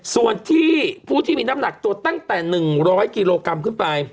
ส่วนที่ผู้ที่มีน้ำหนักตัวตั้งแต่๑๐๐กิโลกรัมขึ้นไป